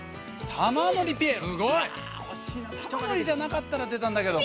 たまのりじゃなかったらでたんだけど。